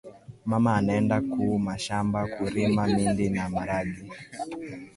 mama anaenda ku mashamba kurima mindi na maragi